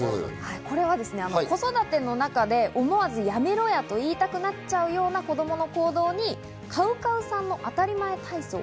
これは子育ての中で思わず、「やめろや」と言いたくなっちゃう子供の行動にＣＯＷＣＯＷさんのあたりまえ